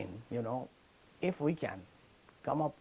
sekali lagi kalau kita bisa